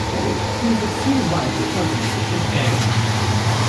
He was succeeded by his cousin, the fifth Baron.